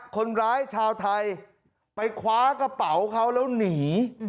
คนร้ายชาวไทยไปคว้ากระเป๋าเขาแล้วหนี